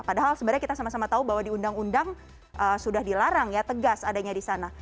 padahal sebenarnya kita sama sama tahu bahwa di undang undang sudah dilarang ya tegas adanya di sana